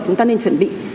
chúng ta nên chuẩn bị